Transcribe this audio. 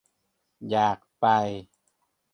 อยากไป